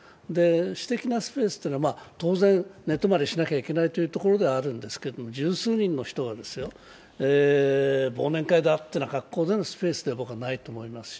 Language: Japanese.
私的なスペースというのは当然、寝泊まりしなければいけないというところではあるんですが十数人の人が忘年会だっていう格好のスペースではないと思います。